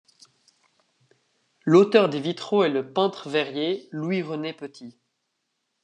L’auteur des vitraux est le peintre-verrier Louis-René Petit.